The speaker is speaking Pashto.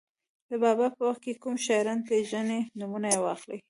د بابا په وخت کې کوم شاعران پېژنئ نومونه یې واخلئ.